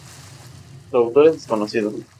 Su autor es desconocido.